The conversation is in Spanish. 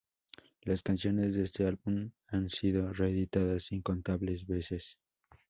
Las canciones de este álbum han sido reeditadas incontables veces.